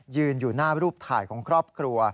ยืนอยู่หน้ารูปถ่ายของครอบครัว